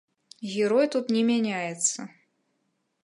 Герой тут не мяняецца.